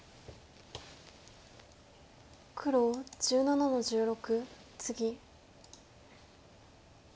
黒１７の十六ツギ。